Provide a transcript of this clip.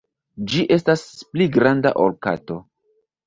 Ĝi estas pli granda ol kato.